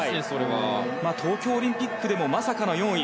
東京オリンピックでもまさかの４位。